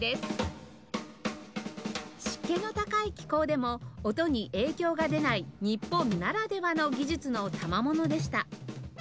湿気の高い気候でも音に影響が出ない日本ならではの技術のたまものでした